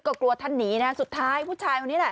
ก็กลัวท่านหนีนะสุดท้ายผู้ชาย